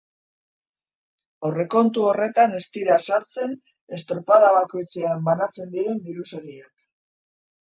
Aurrekontu horretan ez dira sartzen estropada bakoitzean banatzen diren diru sariak.